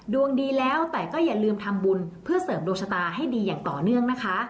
ดวงดีแล้วแต่ก็อย่าลืมทำบุญเพื่อเสริมดวงชะตาให้ดีอย่างต่อเนื่องนะคะ